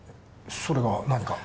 それが何か？